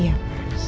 ya mbak suci